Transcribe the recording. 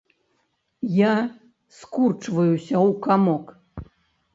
Я скурчваюся ў камок.